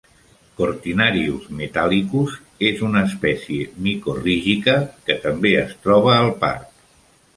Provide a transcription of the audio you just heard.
'Cortinarius metallicus' és una espècie micorrígica que també es troba al parc.